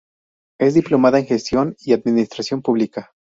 Es diplomada en Gestión y Administración Pública.